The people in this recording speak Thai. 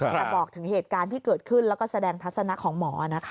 แต่บอกถึงเหตุการณ์ที่เกิดขึ้นแล้วก็แสดงทัศนะของหมอนะคะ